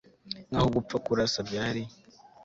Nkaho gupfa kurasa byari